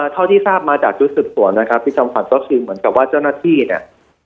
เท่าที่ทราบมาจากชุดสืบสวนนะครับพี่จอมขวัญก็คือเหมือนกับว่าเจ้าหน้าที่เนี่ย